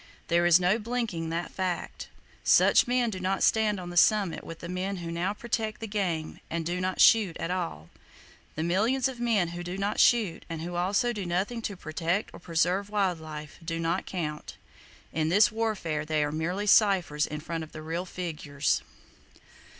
There is no blinking that fact. Such men do not stand on the summit with the men who now protect the game and do not shoot at all! The millions of men who do not shoot, and who also do nothing to protect or preserve wild life, do not count! In this warfare they are merely ciphers in front of the real figures.